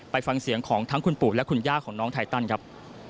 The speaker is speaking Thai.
ฟังเสียงของทั้งคุณปู่และคุณย่าของน้องไทตันครับ